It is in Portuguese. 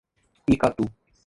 Icatu